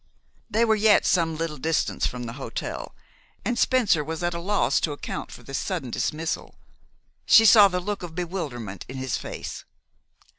They were yet some little distance from the hotel, and Spencer was at a loss to account for this sudden dismissal. She saw the look of bewilderment in his face.